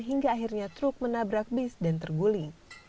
hingga akhirnya truk menabrak bis dan terguling